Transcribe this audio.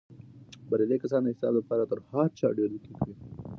بريالي کسان د حساب دپاره تر هر چا ډېر دقیق وي.